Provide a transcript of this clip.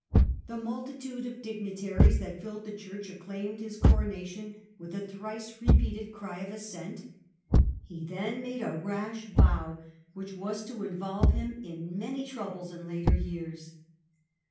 The multitude of dignitaries that filled the church acclaimed his Coronation with a thrice repeated cry of assent. He then made a rash vow which was to involve him in many troubles in later years.